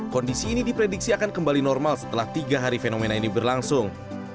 kondisi ini diprediksi akan kembali normal setelah tiga hari fenomena ini berlangsung